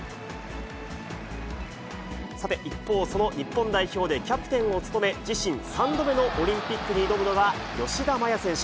さて、一方、その日本代表でキャプテンを務め、自身３度目のオリンピックに挑むのは、吉田麻也選手。